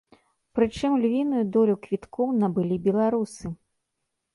Прычым, львіную долю квіткоў набылі беларусы.